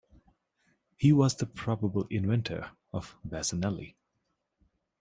He was the probable inventor of bassanelli.